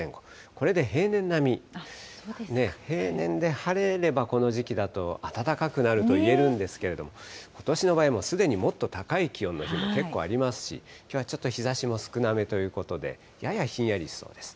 これで平年並み、平年で晴れれば、この時期だと暖かくなるといえるんですけれども、ことしの場合、すでにもっと高い気温の日が結構ありますし、きょうはちょっと日ざしも少なめということで、ややひんやりしそうです。